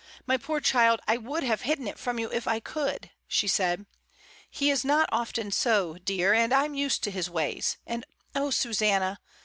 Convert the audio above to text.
my poor child, I would have hidden it from you if I could," she said. "He is not often so, dear, and Fm used to his ways; and oh, Susanna!"